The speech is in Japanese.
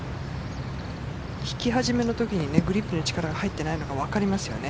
引き始めのときにグリップに力が入っていないのが分かりますよね。